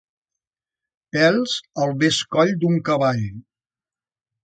Pèls al bescoll d'un cavall.